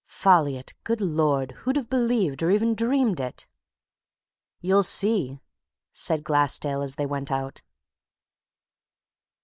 Folliot! good Lord! who'd have believed or even dreamed it!" "You'll see," said Glassdale as they went out.